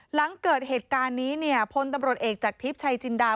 หลังเกิดเหตุการณ์นี้เนี่ยพลตำรวจเอกจากทิพย์ชัยจินดา